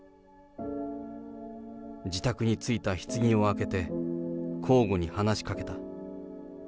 自宅についたひつぎを開けて、交互に話しかけた。